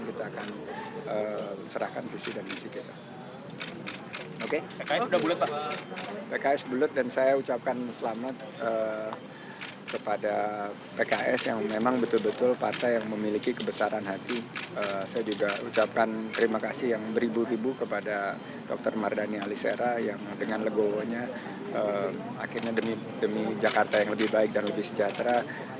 kita akan kerja kita akan serap aspirasi warga kita tawarkan jakarta yang lebih manusiawi lebih baik dan lebih sejahtera